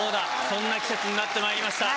そんな季節になってまいりました。